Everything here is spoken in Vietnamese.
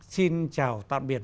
xin chào tạm biệt